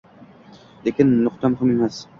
Lekin nuqta muhim emas